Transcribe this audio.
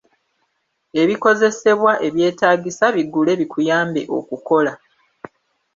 Ebikozesebwa ebyetaagisa bigule bikuyambe okukula.